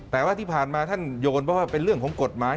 แต่ว่าที่ผ่านมาท่านโยนเพราะว่าเป็นเรื่องของกฎหมาย